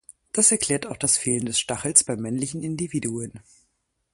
Das erklärt auch das Fehlen des Stachels bei männlichen Individuen.